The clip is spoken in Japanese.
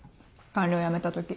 官僚辞めた時。